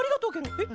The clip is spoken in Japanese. えっ？